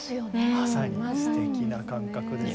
まさにすてきな感覚です。